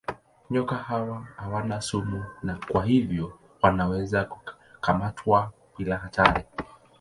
Nyoka hawa hawana sumu na kwa hivyo wanaweza kukamatwa bila hatari.